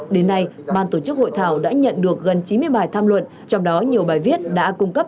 đến nay ban tổ chức hội thảo đã nhận được gần chín mươi bài tham luận trong đó nhiều bài viết đã cung cấp